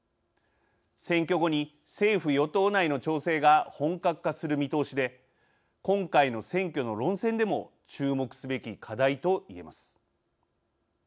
選挙後に政府・与党内の調整が本格化する見通しで今回の選挙の論戦でも注目すべき課題といえます。